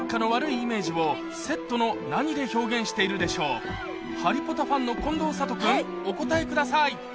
ここでハリポタファンの近藤サト君お答えください